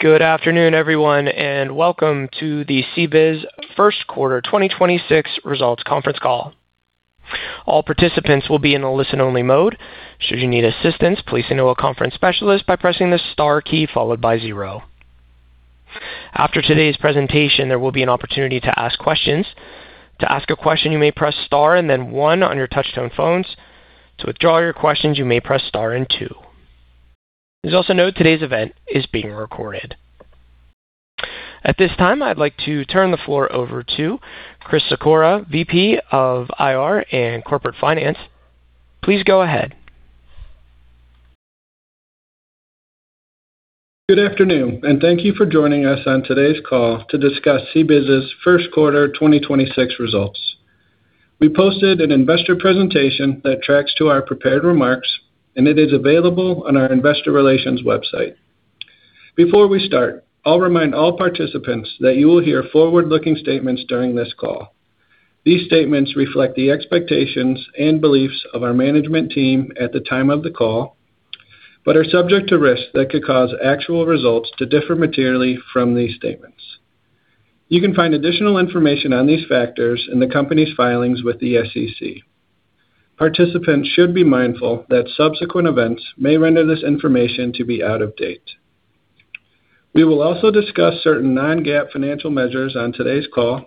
Good afternoon, everyone, and welcome to the CBIZ First Quarter 2026 Results Conference Call. All participants will be in a listen-only mode. Should you need assistance, please send to our conference specialist by pressing the star key followed by zero. After today's presentation, there will be an opportunity to ask questions. To ask a question, you may press star and then one on your touch-tone phones. To withdraw your questions, you may press star and two. And also note today's event is being recorded. At this time, I'd like to turn the floor over to Chris Sikora, VP of IR and Corporate Finance. Please go ahead. Good afternoon, and thank you for joining us on today's call to discuss CBIZ's First Quarter 2026 Results. We posted an investor presentation that tracks to our prepared remarks, and it is available on our investor relations website. Before we start, I'll remind all participants that you will hear forward-looking statements during this call. These statements reflect the expectations and beliefs of our management team at the time of the call, but are subject to risks that could cause actual results to differ materially from these statements. You can find additional information on these factors in the company's filings with the SEC. Participants should be mindful that subsequent events may render this information to be out of date. We will also discuss certain non-GAAP financial measures on today's call.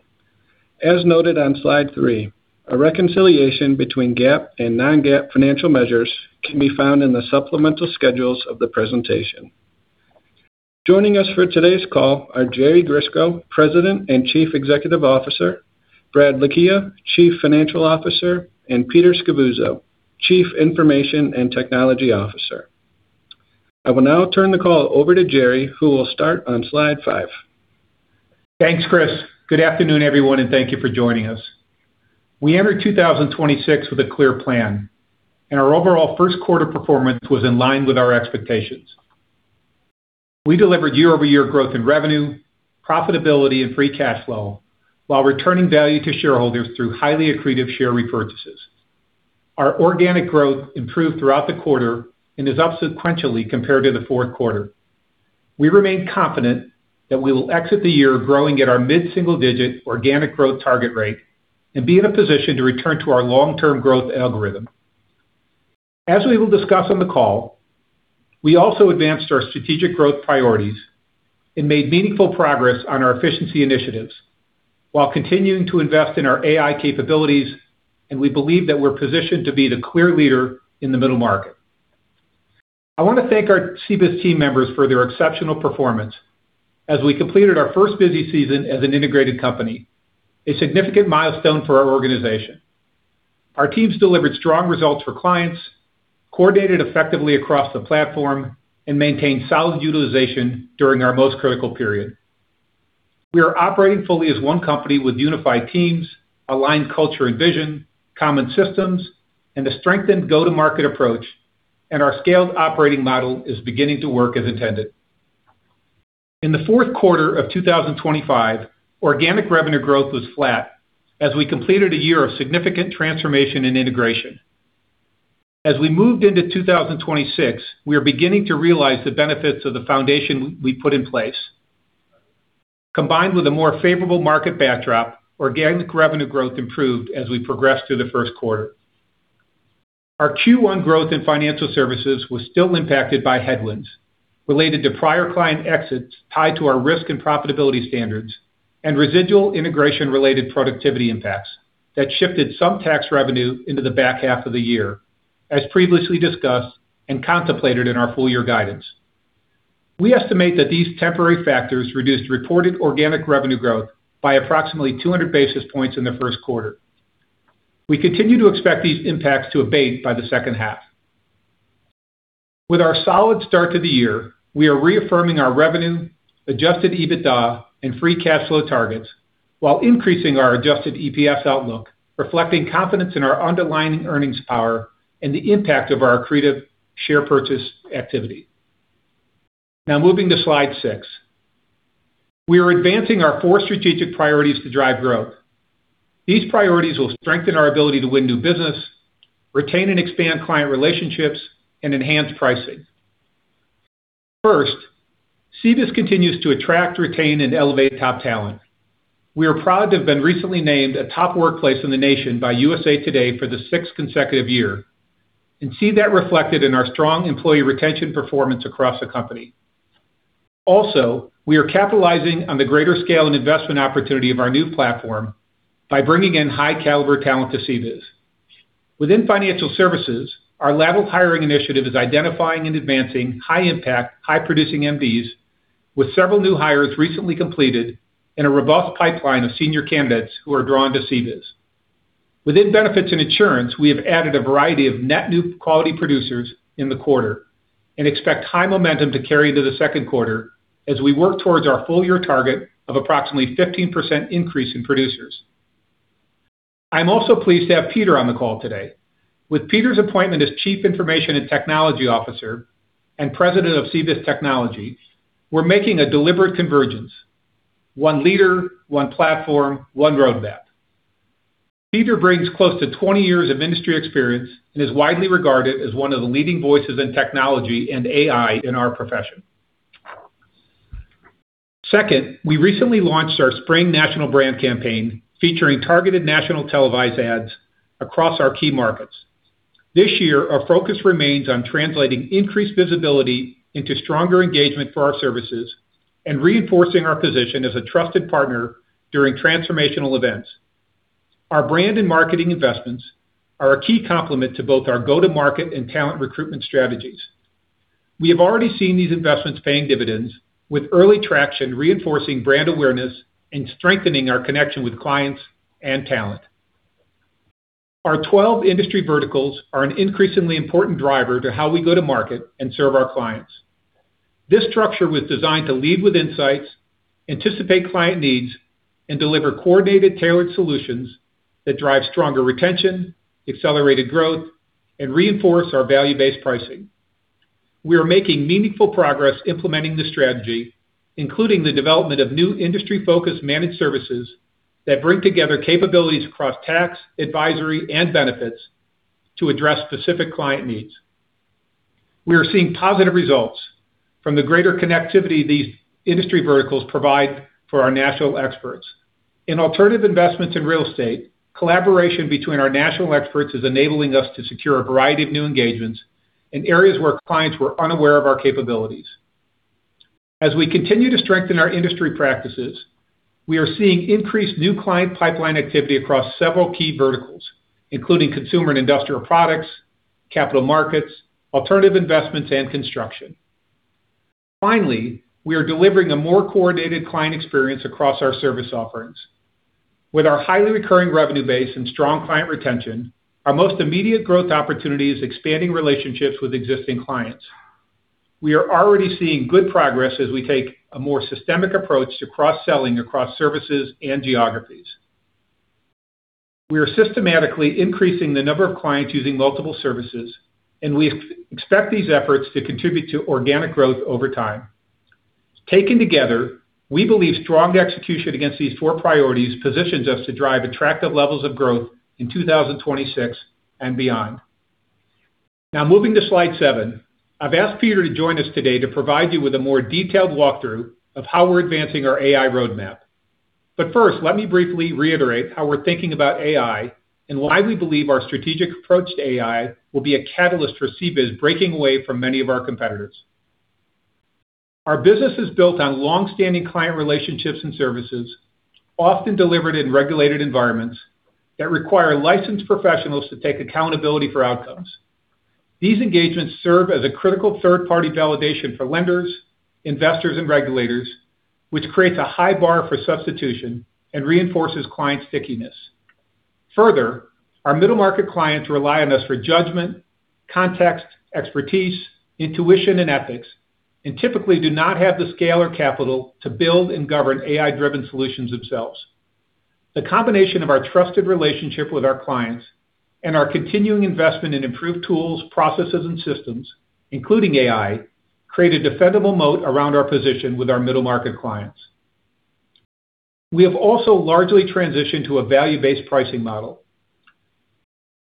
As noted on slide three, a reconciliation between GAAP and non-GAAP financial measures can be found in the supplemental schedules of the presentation. Joining us for today's call are Jerry Grisko, President and Chief Executive Officer, Brad Lakhia, Chief Financial Officer, and Peter Scavuzzo, Chief Information and Technology Officer. I will now turn the call over to Jerry, who will start on slide five. Thanks, Chris. Good afternoon, everyone, and thank you for joining us. We entered 2026 with a clear plan, and our overall first quarter performance was in line with our expectations. We delivered year-over-year growth in revenue, profitability, and free cash flow while returning value to shareholders through highly accretive share repurchases. Our organic growth improved throughout the quarter and is up sequentially compared to the fourth quarter. We remain confident that we will exit the year growing at our mid-single-digit organic growth target rate and be in a position to return to our long-term growth algorithm. As we will discuss on the call, we also advanced our strategic growth priorities and made meaningful progress on our efficiency initiatives while continuing to invest in our AI capabilities, and we believe that we're positioned to be the clear leader in the middle market. I want to thank our CBIZ team members for their exceptional performance as we completed our first busy season as an integrated company, a significant milestone for our organization. Our teams delivered strong results for clients, coordinated effectively across the platform, and maintained solid utilization during our most critical period. We are operating fully as one company with unified teams, aligned culture and vision, common systems, and a strengthened go-to-market approach. Our scaled operating model is beginning to work as intended. In the fourth quarter of 2025, organic revenue growth was flat as we completed a year of significant transformation and integration. As we moved into 2026, we are beginning to realize the benefits of the foundation we put in place. Combined with a more favorable market backdrop, organic revenue growth improved as we progressed through the first quarter. Our Q1 growth in financial services was still impacted by headwinds related to prior client exits tied to our risk and profitability standards and residual integration-related productivity impacts that shifted some tax revenue into the back half of the year, as previously discussed and contemplated in our full year guidance. We estimate that these temporary factors reduced reported organic revenue growth by approximately 200 basis points in the first quarter. We continue to expect these impacts to abate by the second half. With our solid start to the year, we are reaffirming our revenue, adjusted EBITDA, and free cash flow targets while increasing our adjusted EPS outlook, reflecting confidence in our underlying earnings power and the impact of our accretive share purchase activity. Now moving to slide six. We are advancing our four strategic priorities to drive growth. These priorities will strengthen our ability to win new business, retain and expand client relationships, and enhance pricing. First, CBIZ continues to attract, retain, and elevate top talent. We are proud to have been recently named a top workplace in the nation by USA TODAY for the sixth consecutive year and see that reflected in our strong employee retention performance across the company. Also, we are capitalizing on the greater scale and investment opportunity of our new platform by bringing in high caliber talent to CBIZ. Within financial services, our lateral hiring initiative is identifying and advancing high impact, high producing MDs with several new hires recently completed and a robust pipeline of senior candidates who are drawn to CBIZ. Within Benefits and Insurance, we have added a variety of net new quality producers in the quarter and expect high momentum to carry to the second quarter as we work towards our full year target of approximately 15% increase in producers. I'm also pleased to have Peter on the call today. With Peter's appointment as Chief Information and Technology Officer and President of CBIZ Technology, we're making a deliberate convergence. One leader, one platform, one roadmap. Peter brings close to 20 years of industry experience and is widely regarded as one of the leading voices in technology and AI in our profession. Second, we recently launched our spring national brand campaign featuring targeted national televised ads across our key markets. This year, our focus remains on translating increased visibility into stronger engagement for our services and reinforcing our position as a trusted partner during transformational events. Our brand and marketing investments are a key complement to both our go-to-market and talent recruitment strategies. We have already seen these investments paying dividends, with early traction reinforcing brand awareness and strengthening our connection with clients and talent. Our 12 industry verticals are an increasingly important driver to how we go to market and serve our clients. This structure was designed to lead with insights, anticipate client needs, and deliver coordinated, tailored solutions that drive stronger retention, accelerated growth, and reinforce our value-based pricing. We are making meaningful progress implementing this strategy, including the development of new industry-focused managed services that bring together capabilities across tax, advisory, and benefits to address specific client needs. We are seeing positive results from the greater connectivity these industry verticals provide for our national experts. In alternative investments in real estate, collaboration between our national experts is enabling us to secure a variety of new engagements in areas where clients were unaware of our capabilities. As we continue to strengthen our industry practices, we are seeing increased new client pipeline activity across several key verticals, including consumer and industrial products, capital markets, alternative investments, and construction. We are delivering a more coordinated client experience across our service offerings. With our highly recurring revenue base and strong client retention, our most immediate growth opportunity is expanding relationships with existing clients. We are already seeing good progress as we take a more systemic approach to cross-selling across services and geographies. We are systematically increasing the number of clients using multiple services, and we expect these efforts to contribute to organic growth over time. Taken together, we believe strong execution against these four priorities positions us to drive attractive levels of growth in 2026 and beyond. Moving to slide seven. I've asked Peter to join us today to provide you with a more detailed walkthrough of how we're advancing our AI roadmap. First, let me briefly reiterate how we're thinking about AI and why we believe our strategic approach to AI will be a catalyst for CBIZ breaking away from many of our competitors. Our business is built on long-standing client relationships and services, often delivered in regulated environments that require licensed professionals to take accountability for outcomes. These engagements serve as a critical third-party validation for lenders, investors, and regulators, which creates a high bar for substitution and reinforces client stickiness. Further, our middle-market clients rely on us for judgment, context, expertise, intuition, and ethics, and typically do not have the scale or capital to build and govern AI-driven solutions themselves. The combination of our trusted relationship with our clients and our continuing investment in improved tools, processes, and systems, including AI, create a defendable moat around our position with our middle-market clients. We have also largely transitioned to a value-based pricing model,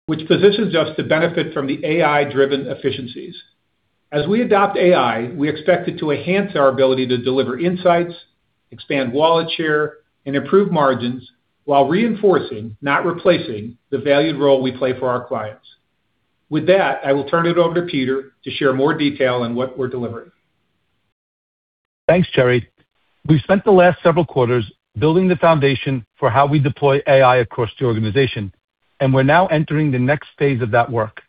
which positions us to benefit from the AI-driven efficiencies. As we adopt AI, we expect it to enhance our ability to deliver insights, expand wallet share, and improve margins while reinforcing, not replacing, the valued role we play for our clients. With that, I will turn it over to Peter to share more detail on what we're delivering. Thanks, Jerry. We've spent the last several quarters building the foundation for how we deploy AI across the organization, and we're now entering the next phase of that work.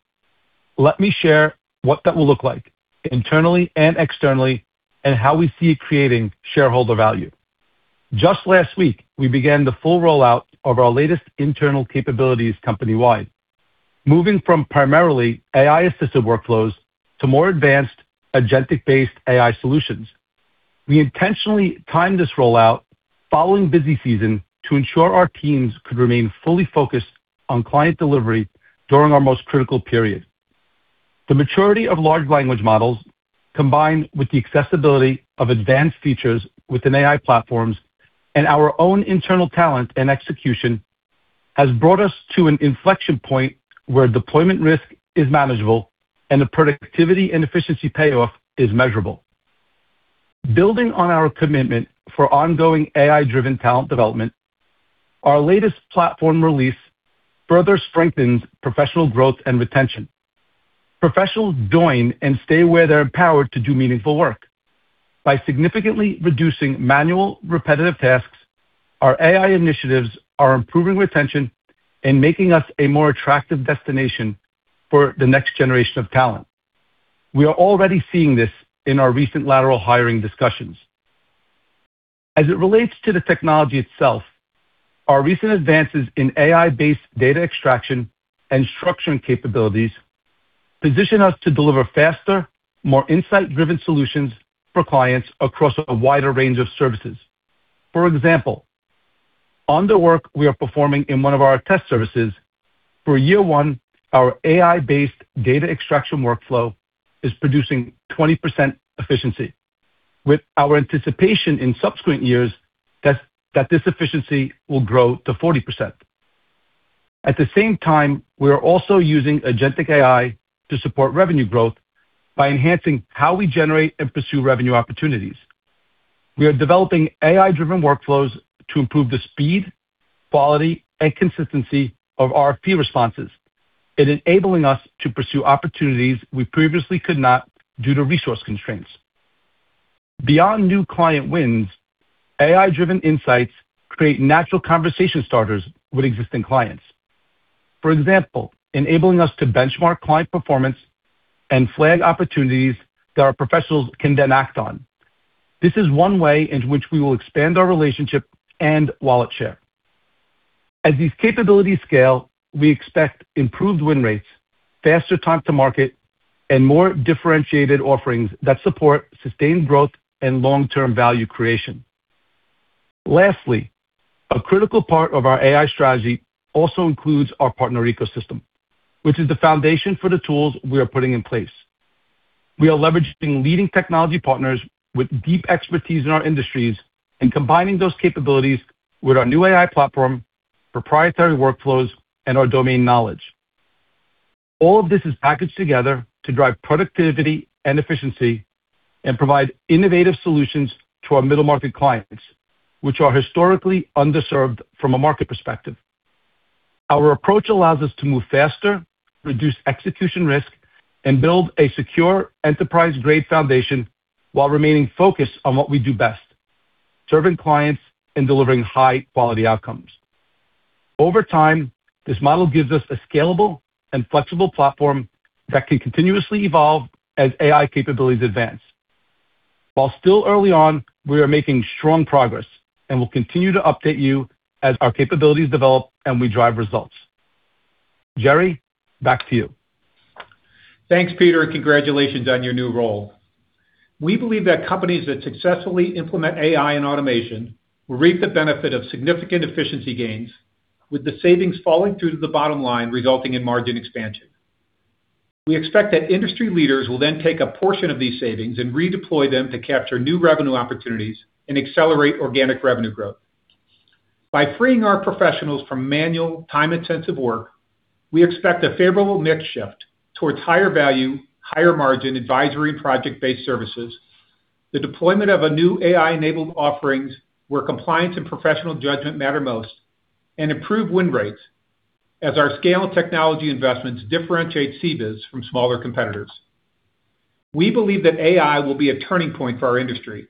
Let me share what that will look like internally and externally and how we see it creating shareholder value. Just last week, we began the full rollout of our latest internal capabilities company-wide. Moving from primarily AI-assisted workflows to more advanced agentic AI solutions. We intentionally timed this rollout following busy season to ensure our teams could remain fully focused on client delivery during our most critical period. The maturity of large language models, combined with the accessibility of advanced features within AI platforms and our own internal talent and execution, has brought us to an inflection point where deployment risk is manageable and the productivity and efficiency payoff is measurable. Building on our commitment for ongoing AI-driven talent development, our latest platform release further strengthens professional growth and retention. Professionals join and stay where they're empowered to do meaningful work. By significantly reducing manual repetitive tasks, our AI initiatives are improving retention and making us a more attractive destination for the next generation of talent. We are already seeing this in our recent lateral hiring discussions. As it relates to the technology itself, our recent advances in AI-based data extraction and structuring capabilities position us to deliver faster, more insight-driven solutions for clients across a wider range of services. For example, on the work we are performing in one of our test services, for year one, our AI-based data extraction workflow is producing 20% efficiency. With our anticipation in subsequent years that this efficiency will grow to 40%. At the same time, we are also using agentic AI to support revenue growth by enhancing how we generate and pursue revenue opportunities. We are developing AI-driven workflows to improve the speed, quality, and consistency of RFP responses and enabling us to pursue opportunities we previously could not due to resource constraints. Beyond new client wins, AI-driven insights create natural conversation starters with existing clients. For example, enabling us to benchmark client performance and flag opportunities that our professionals can then act on. This is one way in which we will expand our relationship and wallet share. As these capabilities scale, we expect improved win rates, faster time to market, and more differentiated offerings that support sustained growth and long-term value creation. Lastly, a critical part of our AI strategy also includes our partner ecosystem, which is the foundation for the tools we are putting in place. We are leveraging leading technology partners with deep expertise in our industries and combining those capabilities with our new AI platform, proprietary workflows, and our domain knowledge. All of this is packaged together to drive productivity and efficiency and provide innovative solutions to our middle-market clients, which are historically underserved from a market perspective. Our approach allows us to move faster, reduce execution risk, and build a secure enterprise-grade foundation while remaining focused on what we do best, serving clients and delivering high-quality outcomes. Over time, this model gives us a scalable and flexible platform that can continuously evolve as AI capabilities advance. While still early on, we are making strong progress, and we'll continue to update you as our capabilities develop and we drive results. Jerry, back to you. Thanks, Peter, and congratulations on your new role. We believe that companies that successfully implement AI and automation will reap the benefit of significant efficiency gains, with the savings falling through to the bottom line, resulting in margin expansion. We expect that industry leaders will then take a portion of these savings and redeploy them to capture new revenue opportunities and accelerate organic revenue growth. By freeing our professionals from manual time-intensive work, we expect a favorable mix shift towards higher value, higher margin advisory project-based services, the deployment of a new AI-enabled offerings where compliance and professional judgment matter most, and improved win rates as our scale and technology investments differentiate CBIZ from smaller competitors. We believe that AI will be a turning point for our industry,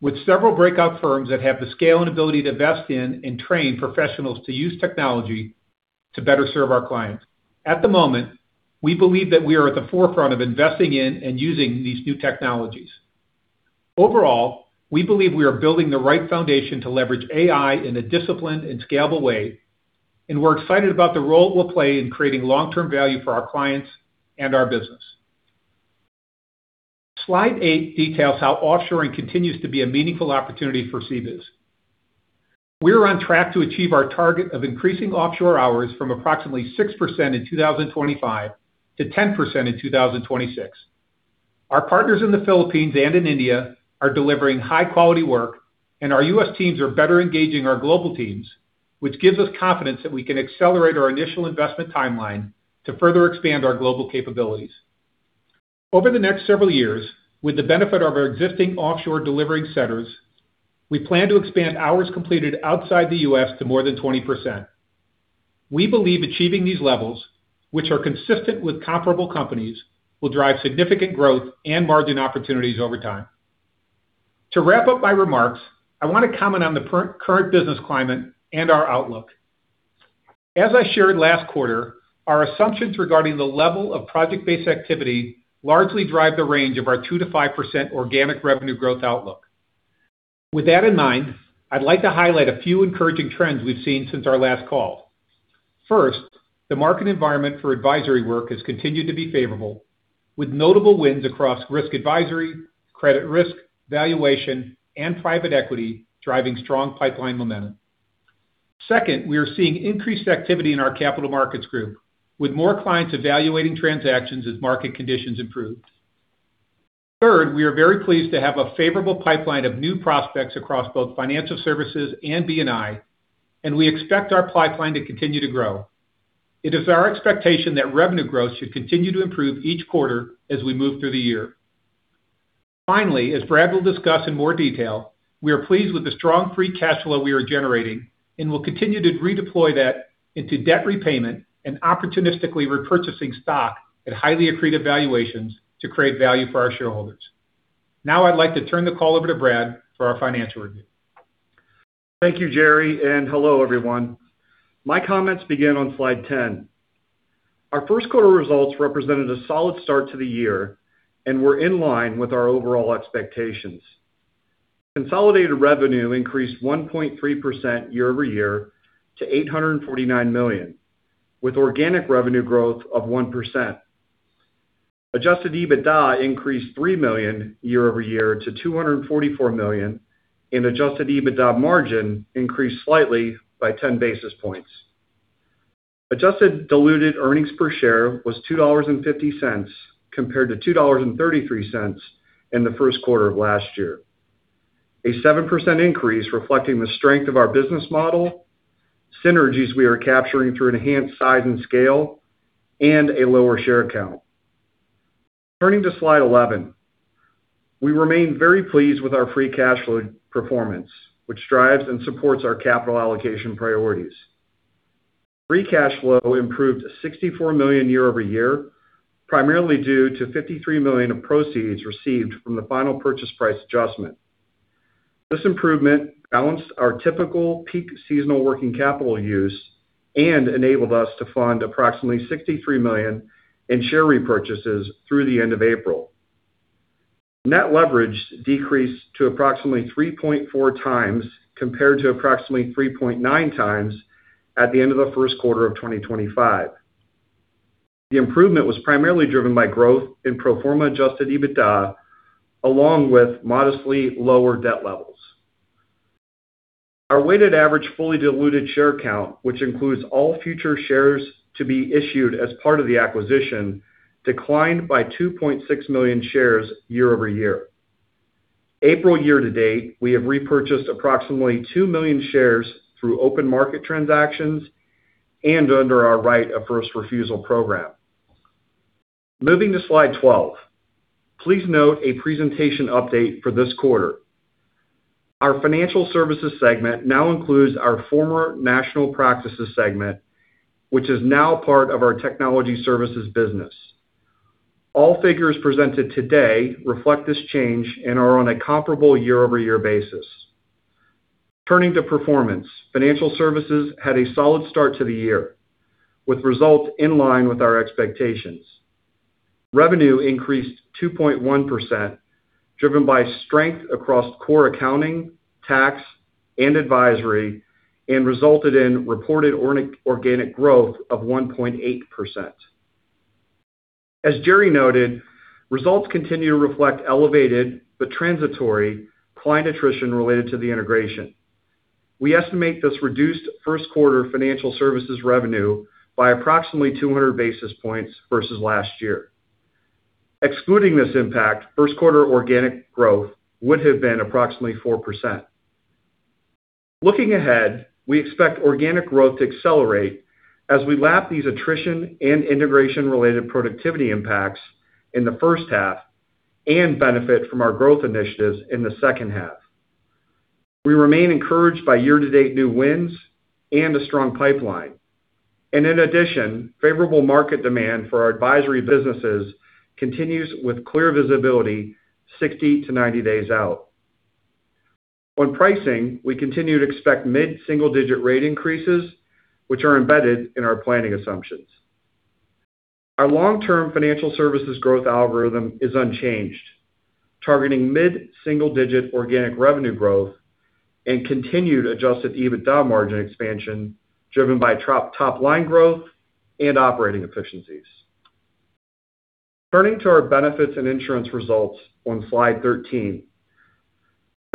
with several breakout firms that have the scale and ability to invest in and train professionals to use technology to better serve our clients. At the moment, we believe that we are at the forefront of investing in and using these new technologies. Overall, we believe we are building the right foundation to leverage AI in a disciplined and scalable way, and we're excited about the role it will play in creating long-term value for our clients and our business. Slide eight details how offshoring continues to be a meaningful opportunity for CBIZ. We're on track to achieve our target of increasing offshore hours from approximately 6% in 2025 to 10% in 2026. Our partners in the Philippines and in India are delivering high-quality work, and our U.S. teams are better engaging our global teams, which gives us confidence that we can accelerate our initial investment timeline to further expand our global capabilities. Over the next several years, with the benefit of our existing offshore delivery centers, we plan to expand hours completed outside the U.S. to more than 20%. We believe achieving these levels, which are consistent with comparable companies, will drive significant growth and margin opportunities over time. To wrap up my remarks, I wanna comment on the current business climate and our outlook. As I shared last quarter, our assumptions regarding the level of project-based activity largely drive the range of our 2%-5% organic revenue growth outlook. With that in mind, I'd like to highlight a few encouraging trends we've seen since our last call. First, the market environment for advisory work has continued to be favorable, with notable wins across risk advisory, credit risk, valuation, and private equity driving strong pipeline momentum. Second, we are seeing increased activity in our capital markets group, with more clients evaluating transactions as market conditions improve. Third, we are very pleased to have a favorable pipeline of new prospects across both financial services and B&I, and we expect our pipeline to continue to grow. It is our expectation that revenue growth should continue to improve each quarter as we move through the year. As Brad will discuss in more detail, we are pleased with the strong free cash flow we are generating and will continue to redeploy that into debt repayment and opportunistically repurchasing stock at highly accretive valuations to create value for our shareholders. Now I'd like to turn the call over to Brad for our financial review. Thank you, Jerry, and hello, everyone. My comments begin on slide 10. Our first quarter results represented a solid start to the year and were in line with our overall expectations. Consolidated revenue increased 1.3% year-over-year to $849 million, with organic revenue growth of 1%. Adjusted EBITDA increased $3 million year-over-year to $244 million, and adjusted EBITDA margin increased slightly by 10 basis points. Adjusted diluted earnings per share was $2.50 compared to $2.33 in the first quarter of last year. A 7% increase reflecting the strength of our business model, synergies we are capturing through enhanced size and scale, and a lower share count. Turning to slide 11. We remain very pleased with our free cash flow performance, which drives and supports our capital allocation priorities. Free cash flow improved $64 million year-over-year, primarily due to $53 million of proceeds received from the final purchase price adjustment. This improvement balanced our typical peak seasonal working capital use and enabled us to fund approximately $63 million in share repurchases through the end of April. Net leverage decreased to approximately 3.4 times compared to approximately 3.9 times at the end of the first quarter of 2025. The improvement was primarily driven by growth in pro forma adjusted EBITDA along with modestly lower debt levels. Our weighted average fully diluted share count, which includes all future shares to be issued as part of the acquisition, declined by 2.6 million shares year-over-year. April year-to-date, we have repurchased approximately 2 million shares through open market transactions and under our right of first refusal program. Moving to slide 12. Please note a presentation update for this quarter. Our Financial Services segment now includes our former National Practices segment, which is now part of our Technology Services business. All figures presented today reflect this change and are on a comparable year-over-year basis. Turning to performance. Financial Services had a solid start to the year, with results in line with our expectations. Revenue increased 2.1%, driven by strength across core accounting, tax, and advisory, and resulted in reported organic growth of 1.8%. As Jerry noted, results continue to reflect elevated but transitory client attrition related to the integration. We estimate this reduced first quarter Financial Services revenue by approximately 200 basis points versus last year. Excluding this impact, first quarter organic growth would have been approximately 4%. Looking ahead, we expect organic growth to accelerate as we lap these attrition and integration-related productivity impacts in the first half and benefit from our growth initiatives in the second half. We remain encouraged by year-to-date new wins and a strong pipeline. In addition, favorable market demand for our advisory businesses continues with clear visibility 60 to 90 days out. On pricing, we continue to expect mid-single-digit rate increases, which are embedded in our planning assumptions. Our long-term financial services growth algorithm is unchanged, targeting mid-single-digit organic revenue growth and continued adjusted EBITDA margin expansion driven by top-line growth and operating efficiencies. Turning to our Benefits and Insurance results on slide 13.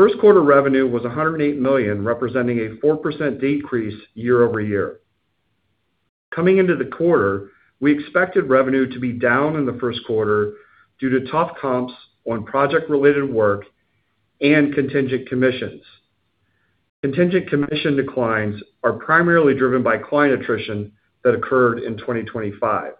First quarter revenue was $108 million, representing a 4% decrease year-over-year. Coming into the quarter, we expected revenue to be down in the first quarter due to tough comps on project-related work and contingent commissions. Contingent commission declines are primarily driven by client attrition that occurred in 2025.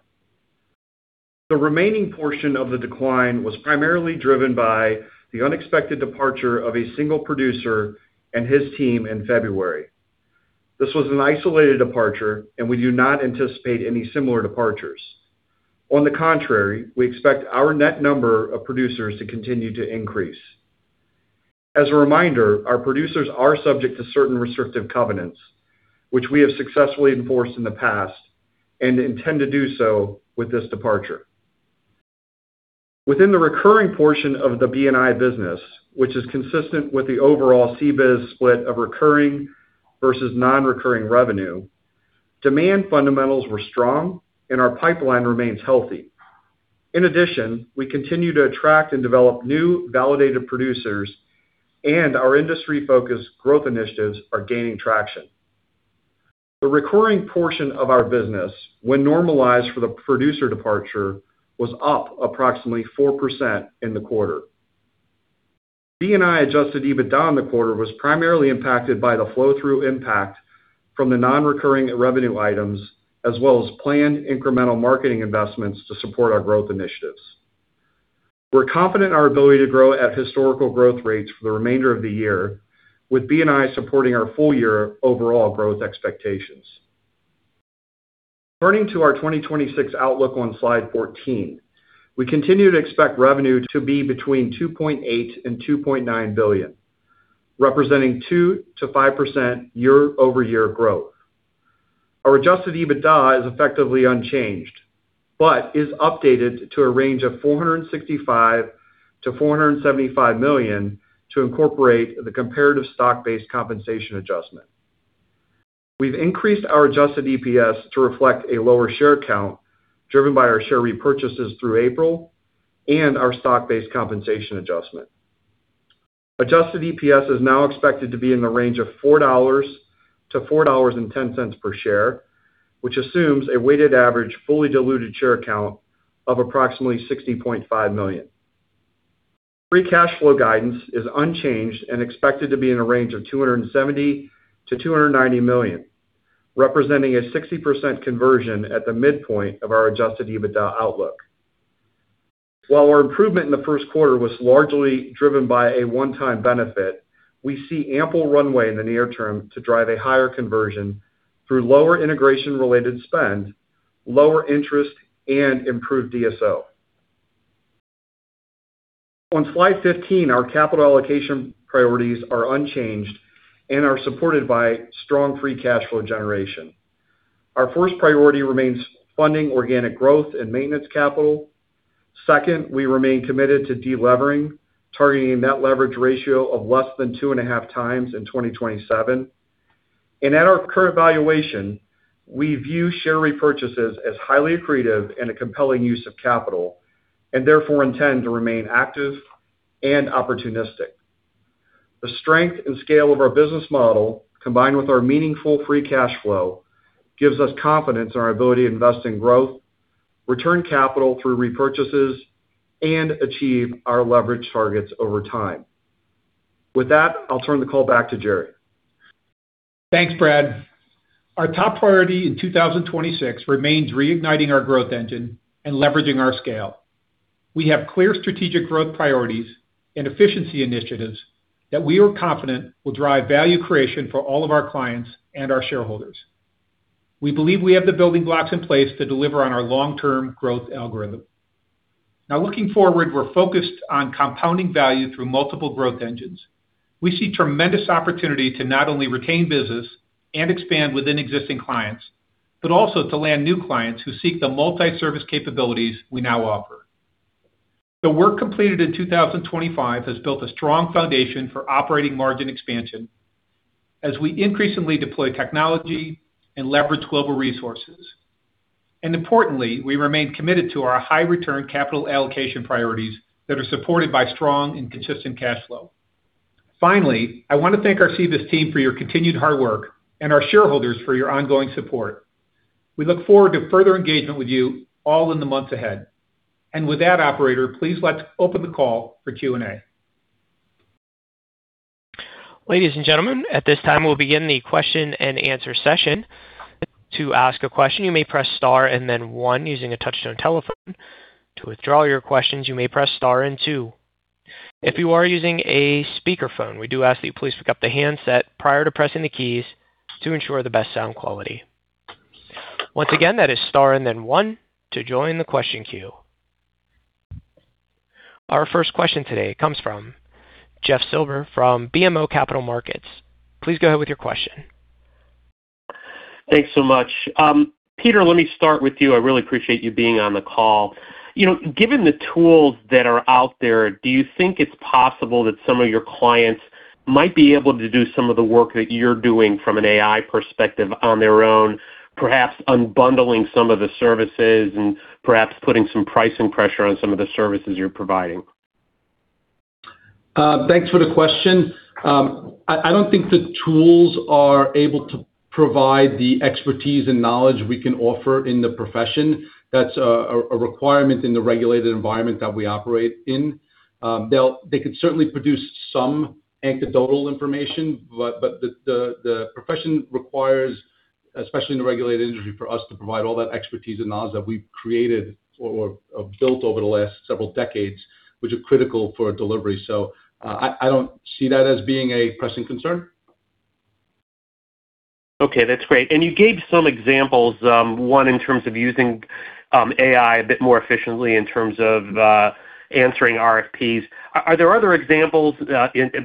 The remaining portion of the decline was primarily driven by the unexpected departure of a single producer and his team in February. This was an isolated departure, and we do not anticipate any similar departures. On the contrary, we expect our net number of producers to continue to increase. As a reminder, our producers are subject to certain restrictive covenants, which we have successfully enforced in the past and intend to do so with this departure. Within the recurring portion of the B&I business, which is consistent with the overall CBIZ split of recurring versus non-recurring revenue, demand fundamentals were strong and our pipeline remains healthy. In addition, we continue to attract and develop new validated producers, and our industry-focused growth initiatives are gaining traction. The recurring portion of our business, when normalized for the producer departure, was up approximately 4% in the quarter. B&I adjusted EBITDA in the quarter was primarily impacted by the flow-through impact from the non-recurring revenue items as well as planned incremental marketing investments to support our growth initiatives. We're confident in our ability to grow at historical growth rates for the remainder of the year, with B&I supporting our full-year overall growth expectations. Turning to our 2026 outlook on slide 14. We continue to expect revenue to be between $2.8 billion and $2.9 billion, representing 2%-5% year-over-year growth. Our adjusted EBITDA is effectively unchanged, but is updated to a range of $465 million-$475 million to incorporate the comparative stock-based compensation adjustment. We've increased our adjusted EPS to reflect a lower share count driven by our share repurchases through April and our stock-based compensation adjustment. Adjusted EPS is now expected to be in the range of $4.00-$4.10 per share, which assumes a weighted average fully diluted share count of approximately 60.5 million. Free cash flow guidance is unchanged and expected to be in a range of $270 million-$290 million, representing a 60% conversion at the midpoint of our adjusted EBITDA outlook. While our improvement in the first quarter was largely driven by a one-time benefit, we see ample runway in the near term to drive a higher conversion through lower integration-related spend, lower interest, and improved DSO. On slide 15, our capital allocation priorities are unchanged and are supported by strong free cash flow generation. Our first priority remains funding organic growth and maintenance capital. Second, we remain committed to de-levering, targeting net leverage ratio of less than 2.5 times in 2027. At our current valuation, we view share repurchases as highly accretive and a compelling use of capital, and therefore intend to remain active and opportunistic. The strength and scale of our business model, combined with our meaningful free cash flow, gives us confidence in our ability to invest in growth, return capital through repurchases, and achieve our leverage targets over time. With that, I'll turn the call back to Jerry. Thanks, Brad. Our top priority in 2026 remains reigniting our growth engine and leveraging our scale. We have clear strategic growth priorities and efficiency initiatives that we are confident will drive value creation for all of our clients and our shareholders. We believe we have the building blocks in place to deliver on our long-term growth algorithm. Looking forward, we're focused on compounding value through multiple growth engines. We see tremendous opportunity to not only retain business and expand within existing clients, but also to land new clients who seek the multi-service capabilities we now offer. The work completed in 2025 has built a strong foundation for operating margin expansion as we increasingly deploy technology and leverage global resources. Importantly, we remain committed to our high return capital allocation priorities that are supported by strong and consistent cash flow. Finally, I want to thank our CBIZ team for your continued hard work and our shareholders for your ongoing support. We look forward to further engagement with you all in the months ahead. With that, operator, please let's open the call for Q&A. Ladies and gentlemen, at this time, we'll begin the question-and-answer session. To ask a question, you may press star and then one using a touch-tone telephone. To withdraw your questions, you may press star and two. If you are using a speakerphone, we do ask that you please pick up the handset prior to pressing the keys to ensure the best sound quality. Once again, that is star and then one to join the question queue. Our first question today comes from Jeff Silber from BMO Capital Markets. Please go ahead with your question. Thanks so much. Peter, let me start with you. I really appreciate you being on the call. You know, given the tools that are out there, do you think it's possible that some of your clients might be able to do some of the work that you're doing from an AI perspective on their own, perhaps unbundling some of the services and perhaps putting some pricing pressure on some of the services you're providing? Thanks for the question. I don't think the tools are able to provide the expertise and knowledge we can offer in the profession. That's a requirement in the regulated environment that we operate in. They could certainly produce some anecdotal information, but the profession requires, especially in the regulated industry, for us to provide all that expertise and knowledge that we've created or built over the last several decades, which are critical for delivery. I don't see that as being a pressing concern. Okay, that's great. You gave some examples, one in terms of using AI a bit more efficiently in terms of answering RFPs. Are there other examples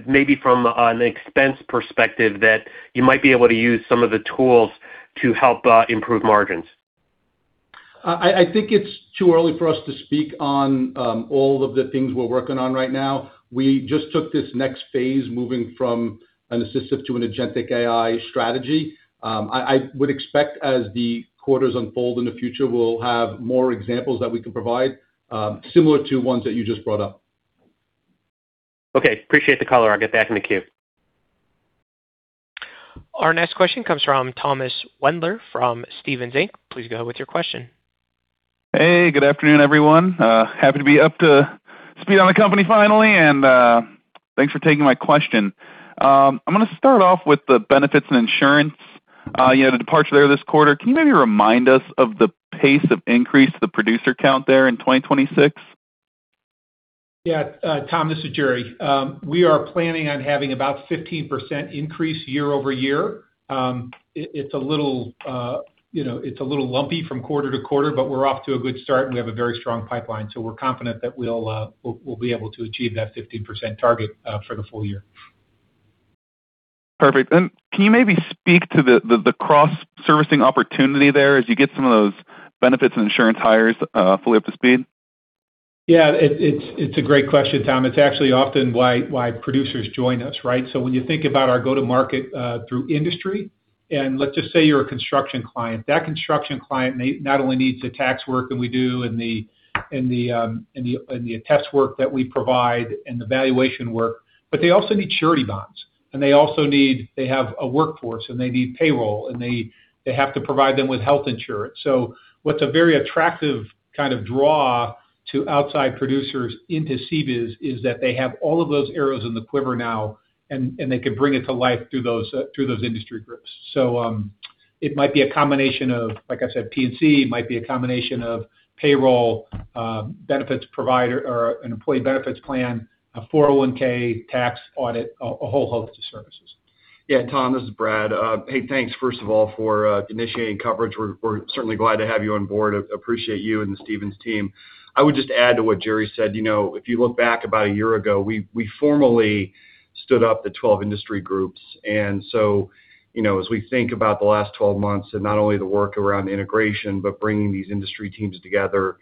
maybe from an expense perspective that you might be able to use some of the tools to help improve margins? I think it's too early for us to speak on all of the things we're working on right now. We just took this next phase, moving from an assistive to an agentic AI strategy. I would expect as the quarters unfold in the future, we'll have more examples that we can provide similar to ones that you just brought up. Okay. Appreciate the color. I'll get back in the queue. Our next question comes from Thomas Wendler from Stephens Inc. Please go with your question. Hey, good afternoon, everyone. Happy to be up to speed on the company finally, and thanks for taking my question. I'm gonna start off with the benefits and insurance, you know, the departure there this quarter. Can you maybe remind us of the pace of increase to the producer count there in 2026? Yeah. Tom, this is Jerry. We are planning on having about 15% increase year-over-year. It's a little, you know, it's a little lumpy from quarter-to-quarter, but we're off to a good start, and we have a very strong pipeline. We're confident that we'll be able to achieve that 15% target for the full year. Perfect. Can you maybe speak to the cross-servicing opportunity there as you get some of those benefits and insurance hires fully up to speed? Yeah. It's a great question, Tom. It's actually often why producers join us, right? When you think about our go-to-market. Let's just say you're a construction client. That construction client not only needs the tax work that we do and the attest work that we provide and the valuation work, but they also need surety bonds, they have a workforce, and they need payroll, and they have to provide them with health insurance. What's a very attractive kind of draw to outside producers into CBIZ is that they have all of those arrows in the quiver now, and they can bring it to life through those industry groups. It might be a combination of, like I said, P&C, it might be a combination of payroll, benefits provider or an employee benefits plan, a 401(k), tax, audit, a whole host of services. Yeah. Tom, this is Brad. Hey, thanks, first of all, for initiating coverage. We're certainly glad to have you on board. Appreciate you and the Stephens team. I would just add to what Jerry said. You know, if you look back about a year ago, we formally stood up the 12 industry groups. You know, as we think about the last 12 months and not only the work around integration, but bringing these industry teams together,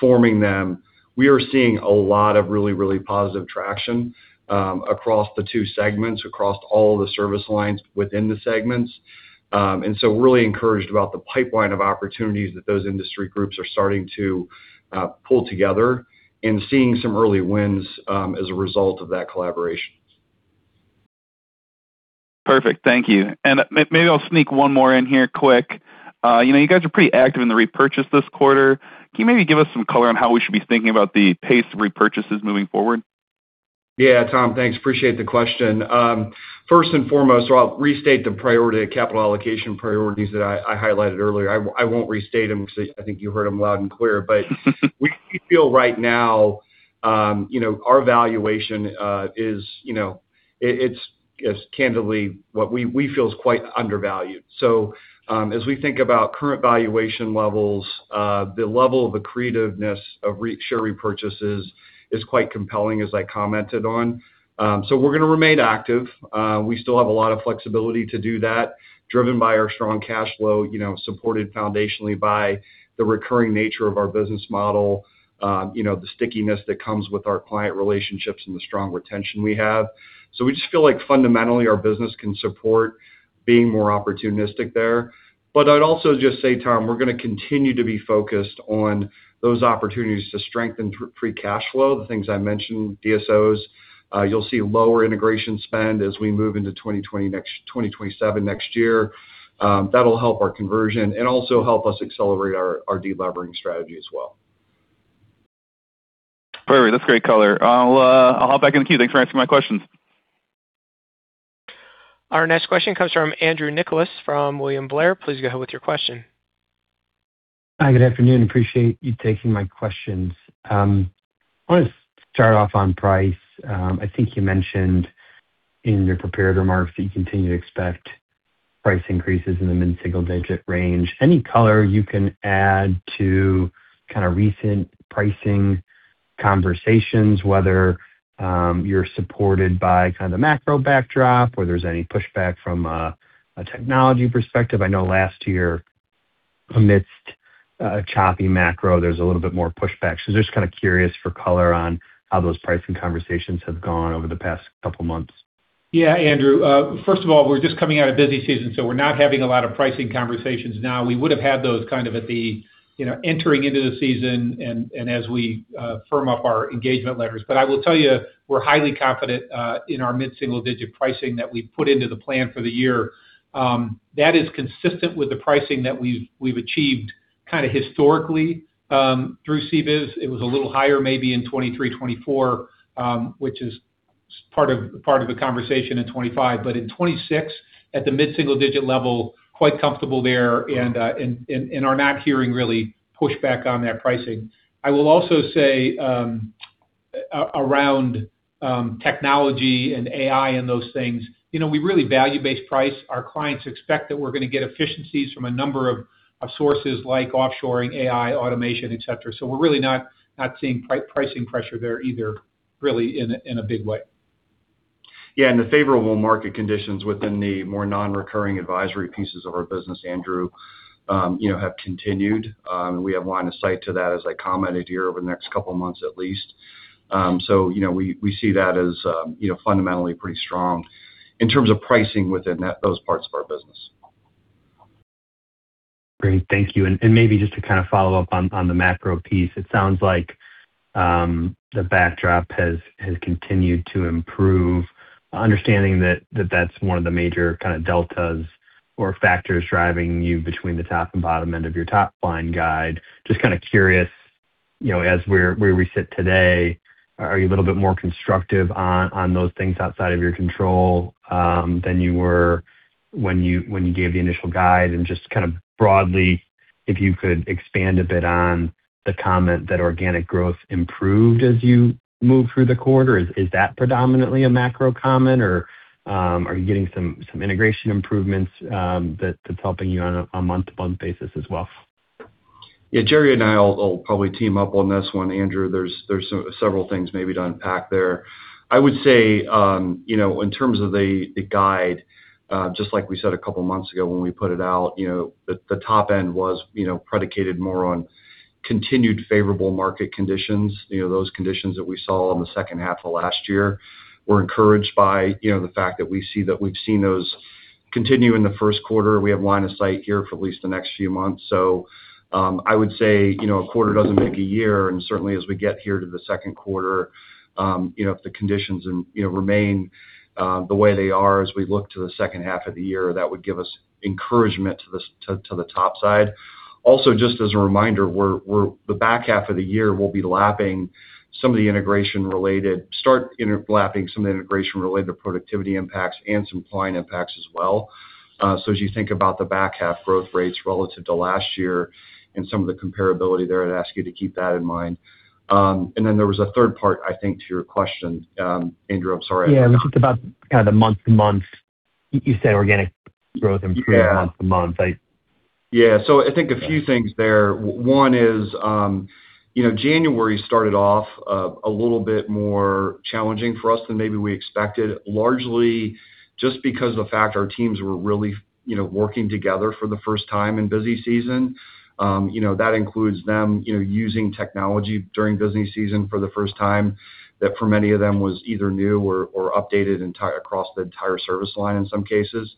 forming them, we are seeing a lot of really positive traction across the two segments, across all the service lines within the segments. We're really encouraged about the pipeline of opportunities that those industry groups are starting to pull together and seeing some early wins as a result of that collaboration. Perfect. Thank you. Maybe I'll sneak one more in here quick. You know, you guys are pretty active in the repurchase this quarter. Can you maybe give us some color on how we should be thinking about the pace of repurchases moving forward? Yeah. Tom, thanks. Appreciate the question. First and foremost, so I'll restate the priority, capital allocation priorities that I highlighted earlier. I won't restate them because I think you heard them loud and clear. We feel right now, you know, our valuation is, it's candidly what we feel is quite undervalued. As we think about current valuation levels, the level of the creativeness of share repurchases is quite compelling, as I commented on. We're gonna remain active. We still have a lot of flexibility to do that, driven by our strong cash flow, you know, supported foundationally by the recurring nature of our business model, you know, the stickiness that comes with our client relationships and the strong retention we have. We just feel like fundamentally our business can support being more opportunistic there. I'd also just say, Tom, we're gonna continue to be focused on those opportunities to strengthen free cash flow, the things I mentioned, DSOs. You'll see lower integration spend as we move into 2027 next year. That'll help our conversion and also help us accelerate our delevering strategy as well. Perfect. That's great color. I'll hop back in the queue. Thanks for answering my questions. Our next question comes from Andrew Nicholas from William Blair. Please go ahead with your question. Hi, good afternoon. Appreciate you taking my questions. I want to start off on price. I think you mentioned in your prepared remarks that you continue to expect price increases in the mid-single-digit range. Any color you can add to kind of recent pricing conversations, whether you're supported by kind of the macro backdrop, whether there's any pushback from a technology perspective. I know last year, amidst a choppy macro, there was a little bit more pushback. Just kind of curious for color on how those pricing conversations have gone over the past couple months. Andrew. First of all, we're just coming out of busy season, so we're not having a lot of pricing conversations now. We would have had those kind of at the, you know, entering into the season and as we firm up our engagement letters. I will tell you, we're highly confident in our mid-single-digit pricing that we put into the plan for the year. That is consistent with the pricing that we've achieved kind of historically through CBIZ. It was a little higher maybe in 2023, 2024, which is part of the conversation in 2025. In 2026, at the mid-single-digit level, quite comfortable there and are not hearing really pushback on that pricing. I will also say, around technology and AI and those things, you know, we really value-based price. Our clients expect that we're gonna get efficiencies from a number of sources like offshoring, AI, automation, et cetera. We're really not seeing pricing pressure there either, really in a big way. Yeah. The favorable market conditions within the more non-recurring advisory pieces of our business, Andrew, you know, have continued. We have line of sight to that, as I commented here, over the next couple of months at least. You know, we see that as, you know, fundamentally pretty strong in terms of pricing within those parts of our business. Great. Thank you. Maybe just to kind of follow up on the macro piece, it sounds like the backdrop has continued to improve, understanding that that's one of the major kind of deltas or factors driving you between the top and bottom end of your top line guide. Just kind of curious, you know, as where we sit today, are you a little bit more constructive on those things outside of your control than you were when you gave the initial guide? Just kind of broadly, if you could expand a bit on the comment that organic growth improved as you moved through the quarter. Is that predominantly a macro comment, or are you getting some integration improvements that's helping you on a month-to-month basis as well? Yeah, Jerry and I will probably team up on this one, Andrew. There's several things maybe to unpack there. I would say, you know, in terms of the guide, just like we said a couple months ago when we put it out, you know, the top end was, you know, predicated more on continued favorable market conditions. You know, those conditions that we saw in the second half of last year. We're encouraged by, you know, the fact that we see that we've seen those continue in the first quarter, we have line of sight here for at least the next few months. I would say, you know, a quarter doesn't make a year, and certainly as we get here to the second quarter, you know, if the conditions and, you know, remain the way they are as we look to the second half of the year, that would give us encouragement to the top side. Just as a reminder, we're the back half of the year, we'll be lapping some of the integration related productivity impacts and some client impacts as well. As you think about the back half growth rates relative to last year and some of the comparability there, I'd ask you to keep that in mind. Then there was a third part, I think, to your question, Andrew, I'm sorry. Yeah. We talked about kind of the month-to-month. You said organic growth improvement. Yeah... month to month. I- Yeah. I think a few things there. One is, you know, January started off a little bit more challenging for us than maybe we expected, largely just because of the fact our teams were really, you know, working together for the first time in busy season. You know, that includes them, you know, using technology during busy season for the first time, that for many of them was either new or updated across the entire service line in some cases.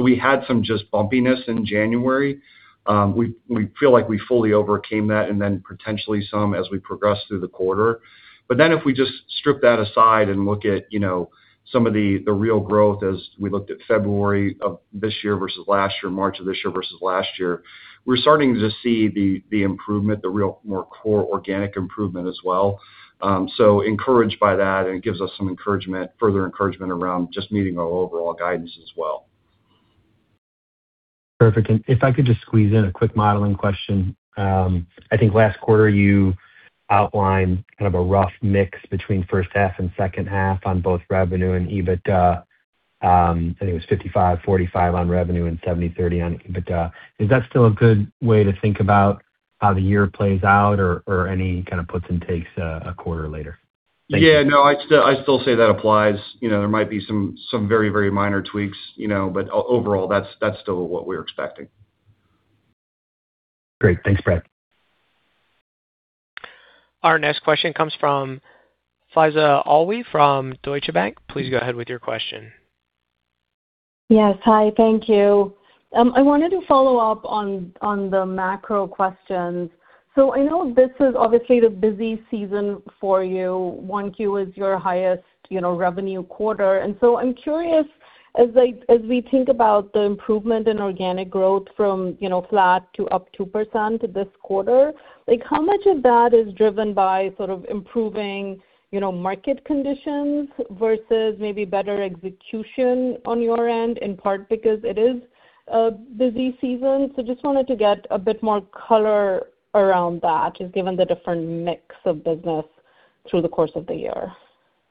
We had some just bumpiness in January. We feel like we fully overcame that and then potentially some as we progress through the quarter. If we just strip that aside and look at, you know, some of the real growth as we looked at February of this year versus last year, March of this year versus last year, we're starting to see the improvement, the real more core organic improvement as well. Encouraged by that, and it gives us some encouragement, further encouragement around just meeting our overall guidance as well. Perfect. If I could just squeeze in a quick modeling question. I think last quarter you outlined kind of a rough mix between first half and second half on both revenue and EBITDA. I think it was 55, 45 on revenue and 70, 30 on EBITDA. Is that still a good way to think about how the year plays out or any kind of puts and takes a quarter later? Thank you. Yeah, no, I still say that applies. You know, there might be some very minor tweaks, you know, but overall, that's still what we're expecting. Great. Thanks, Brad. Our next question comes from Faiza Alwy from Deutsche Bank. Please go ahead with your question. Yes. Hi, thank you. I wanted to follow up on the macro questions. I know this is obviously the busy season for you. 1Q is your highest, you know, revenue quarter. I'm curious, as like, as we think about the improvement in organic growth from, you know, flat to up 2% this quarter, like how much of that is driven by sort of improving, you know, market conditions versus maybe better execution on your end, in part because it is a busy season? Just wanted to get a bit more color around that, just given the different mix of business through the course of the year.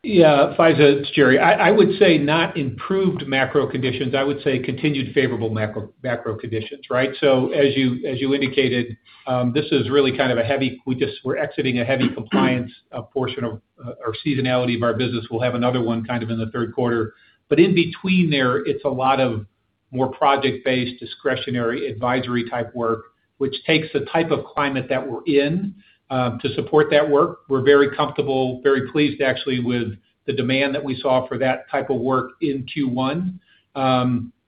Yeah. Faiza, it's Jerry. I would say not improved macro conditions. I would say continued favorable macro conditions, right? As you indicated, we're exiting a heavy compliance portion of our seasonality of our business. We'll have another one kind of in the third quarter. In between there, it's a lot of more project-based, discretionary, advisory type work, which takes the type of climate that we're in to support that work. We're very comfortable, very pleased actually with the demand that we saw for that type of work in Q1.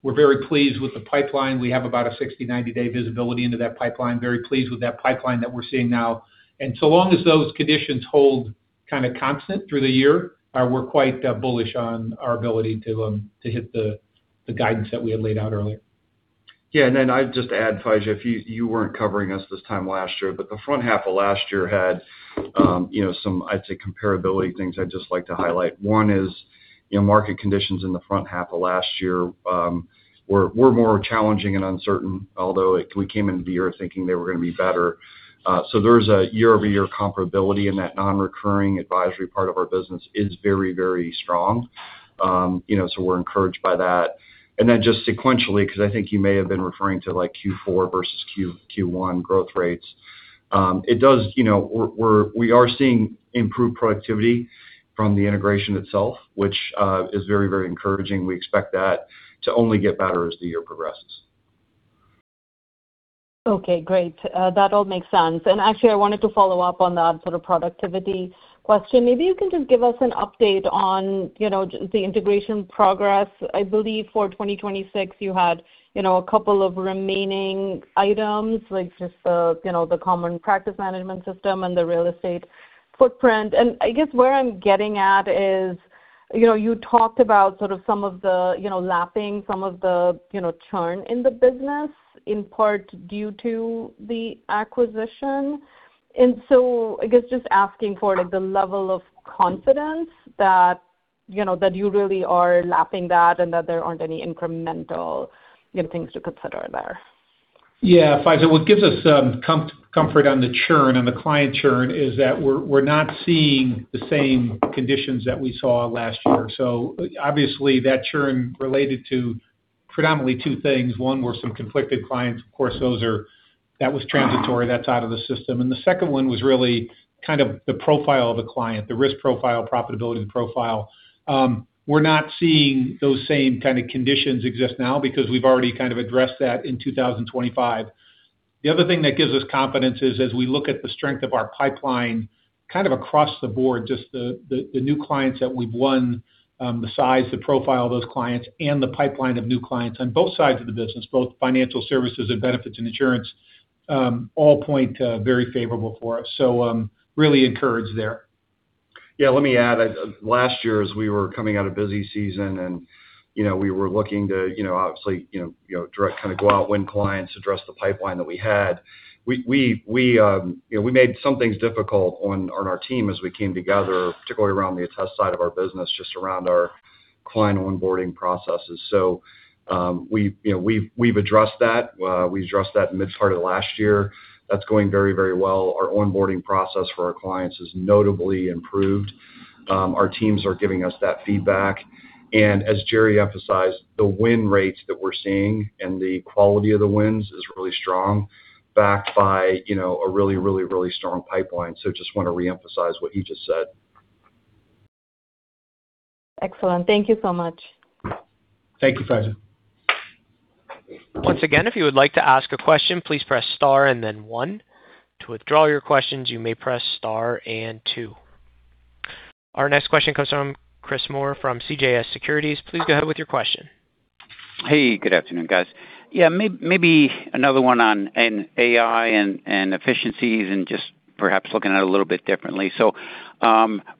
We're very pleased with the pipeline. We have about a 60, 90-day visibility into that pipeline. Very pleased with that pipeline that we're seeing now. Long as those conditions hold kind of constant through the year, we're quite bullish on our ability to hit the guidance that we had laid out earlier. Yeah. I'd just add, Faiza, if you weren't covering us this time last year, but the front half of last year had, you know, some, I'd say, comparability things I'd just like to highlight. One is, you know, market conditions in the front half of last year were more challenging and uncertain, although we came into the year thinking they were gonna be better. There's a year-over-year comparability in that non-recurring advisory part of our business is very, very strong. You know, we're encouraged by that. Just sequentially, 'cause I think you may have been referring to like Q4 versus Q1 growth rates. You know, we are seeing improved productivity from the integration itself, which is very, very encouraging. We expect that to only get better as the year progresses. Okay, great. That all makes sense. Actually, I wanted to follow up on that sort of productivity question. Maybe you can just give us an update on, you know, the integration progress. I believe for 2026 you had, you know, a couple of remaining items, like just the, you know, the common practice management system and the real estate footprint. I guess where I'm getting at is, you know, you talked about sort of some of the, you know, lapping some of the, you know, churn in the business in part due to the acquisition. I guess just asking for like the level of confidence that, you know, that you really are lapping that and that there aren't any incremental, you know, things to consider there. Yeah. Faiza, what gives us comfort on the churn, on the client churn is that we're not seeing the same conditions that we saw last year. Obviously, that churn related to predominantly two things. One were some conflicted clients. Of course, that was transitory, that's out of the system. The second one was really kind of the profile of the client, the risk profile, profitability profile. We're not seeing those same kind of conditions exist now because we've already kind of addressed that in 2025. The other thing that gives us confidence is as we look at the strength of our pipeline kind of across the board, just the new clients that we've won, the size, the profile of those clients and the pipeline of new clients on both sides of the business, both financial services and benefits and insurance, all point to very favorable for us. Really encouraged there. Yeah, let me add. Last year, as we were coming out of busy season and, you know, we were looking to, you know, obviously, you know, kind of go out, win clients, address the pipeline that we had. We, you know, we made some things difficult on our team as we came together, particularly around the attest side of our business, just around our client onboarding processes. We, you know, we've addressed that. We addressed that in mid part of last year. That's going very, very well. Our onboarding process for our clients has notably improved. Our teams are giving us that feedback. As Jerry emphasized, the win rates that we're seeing and the quality of the wins is really strong, backed by, you know, a really, really, really strong pipeline. Just want to reemphasize what you just said. Excellent. Thank you so much. Thank you, Faiza. Once again, if you would like to ask a question, please press star and then one. To withdraw your questions, you may press star and two. Our next question comes from Chris Moore from CJS Securities. Please go ahead with your question. Hey, good afternoon, guys. Maybe another one on AI and efficiencies and just perhaps looking at it a little bit differently.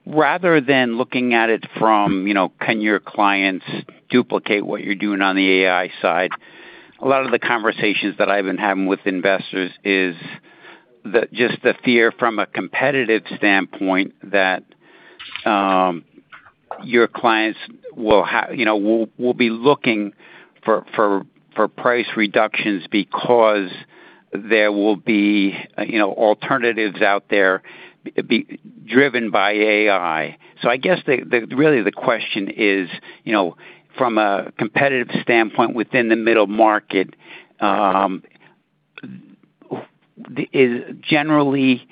Rather than looking at it from, you know, can your clients duplicate what you're doing on the AI side, a lot of the conversations that I've been having with investors is just the fear from a competitive standpoint that your clients will be looking for price reductions because there will be, you know, alternatives out there driven by AI. I guess the really the question is, you know, from a competitive standpoint within the middle market, is generally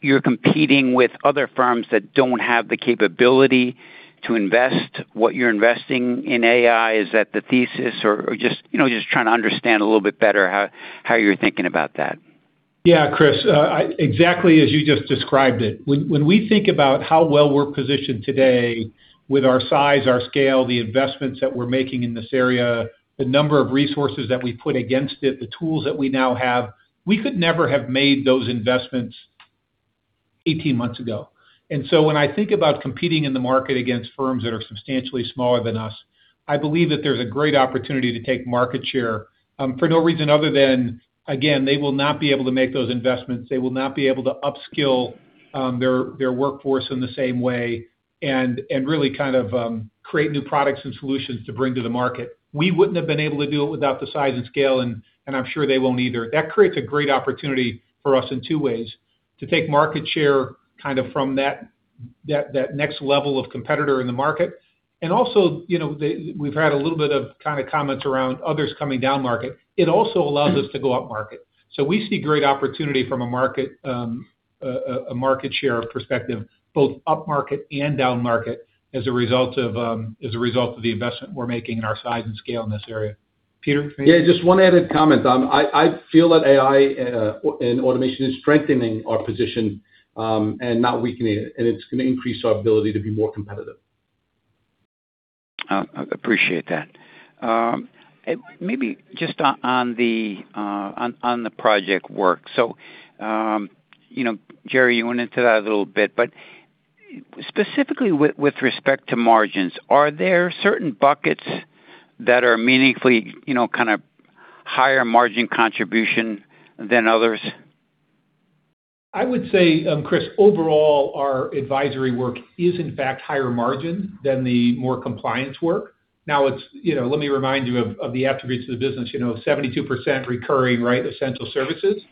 you're competing with other firms that don't have the capability to invest what you're investing in AI. Is that the thesis? Just, you know, just trying to understand a little bit better how you're thinking about that. Yeah, Chris, exactly as you just described it. When we think about how well we're positioned today with our size, our scale, the investments that we're making in this area, the number of resources that we put against it, the tools that we now have, we could never have made those investments 18 months ago. When I think about competing in the market against firms that are substantially smaller than us, I believe that there's a great opportunity to take market share for no reason other than, again, they will not be able to make those investments. They will not be able to upskill their workforce in the same way and really kind of create new products and solutions to bring to the market. We wouldn't have been able to do it without the size and scale, and I'm sure they won't either. That creates a great opportunity for us in two ways. To take market share kind of from that next level of competitor in the market. Also, you know, we've had a little bit of kind of comments around others coming down market. It also allows us to go up market. We see great opportunity from a market, a market share perspective, both up market and down market as a result of the investment we're making in our size and scale in this area. Peter? Yeah, just one added comment. I feel that AI and automation is strengthening our position, and not weakening it. It's gonna increase our ability to be more competitive. Appreciate that. Maybe just on the project work. You know, Jerry, you went into that a little bit, but specifically with respect to margins, are there certain buckets that are meaningfully, you know, kind of higher margin contribution than others? I would say, Chris, overall, our advisory work is in fact higher margin than the more compliance work. It's, you know, let me remind you of the attributes of the business. You know, 72% recurring, right, essential services.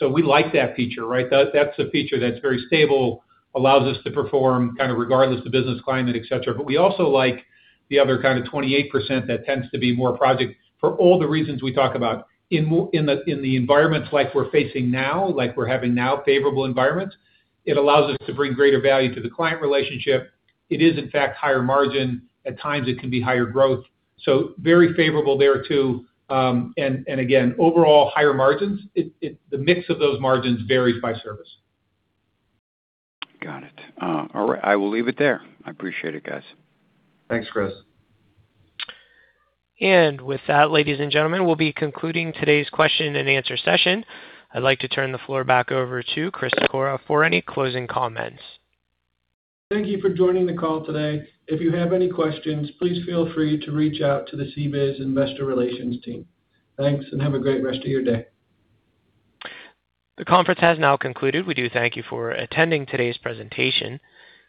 We like that feature, right? That's a feature that's very stable, allows us to perform kind of regardless of business climate, et cetera. We also like the other kind of 28% that tends to be more project for all the reasons we talk about. In the environments like we're facing now, like we're having now, favorable environments, it allows us to bring greater value to the client relationship. It is in fact higher margin. At times, it can be higher growth. Very favorable there too. Again, overall higher margins. The mix of those margins varies by service. Got it. All right. I will leave it there. I appreciate it, guys. Thanks, Chris. With that, ladies and gentlemen, we'll be concluding today's question and answer session. I'd like to turn the floor back over to Chris Sikora for any closing comments. Thank you for joining the call today. If you have any questions, please feel free to reach out to the CBIZ Investor Relations team. Thanks, and have a great rest of your day. The conference has now concluded. We do thank you for attending today's presentation.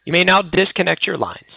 You may now disconnect your lines.